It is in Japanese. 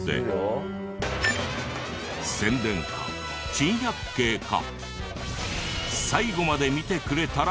宣伝か珍百景か。